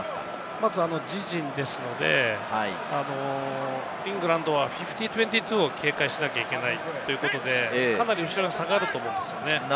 まず自陣ですので、イングランドは５０：２２を警戒しなければいけないということで、かなり後ろに下がると思うんですね。